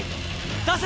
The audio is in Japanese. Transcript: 出せ！